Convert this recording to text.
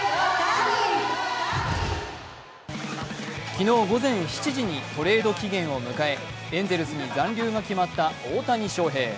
昨日午前７時にトレード期限を迎えエンゼルスに残留が決まった大谷翔平。